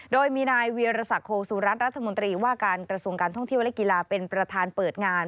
โดยมีนายเวียรสักโคสุรัตนรัฐมนตรีว่าการกระทรวงการท่องเที่ยวและกีฬาเป็นประธานเปิดงาน